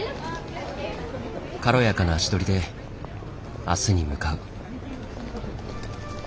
軽やかな足取りで明日に向かう。